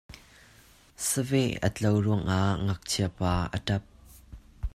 Saveh a tlau ruangah Ngakchiapa a ṭap.